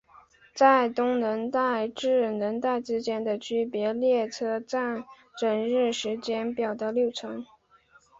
在东能代至能代之间的区间列车占整日时间表的六成。